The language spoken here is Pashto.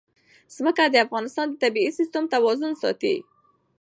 ځمکه د افغانستان د طبعي سیسټم توازن ساتي.